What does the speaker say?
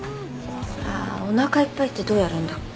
「おなかいっぱい」ってどうやるんだっけ？